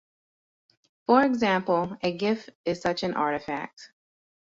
For example, a gif is such an artifact.